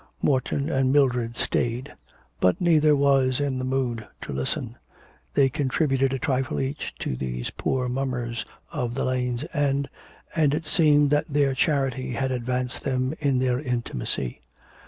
Morton and Mildred stayed; but neither was in the mood to listen. They contributed a trifle each to these poor mummers of the lane's end, and it seemed that their charity had advanced them in their intimacy.